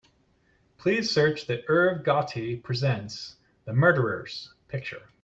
Please search the Irv Gotti Presents: The Murderers picture.